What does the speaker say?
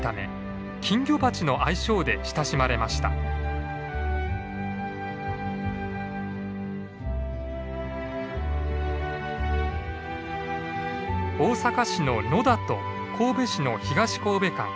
大阪市の野田と神戸市の東神戸間全長２６キロ。